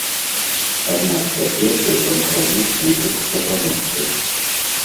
Аднак цяпер той кампраміс лічыцца памылкай.